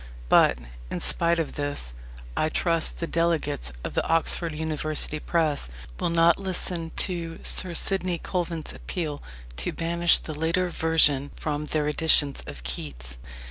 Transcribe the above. But, in spite of this, I trust the Delegates of the Oxford University Press will not listen to Sir Sidney Colvin's appeal to banish the later version from their editions of Keats.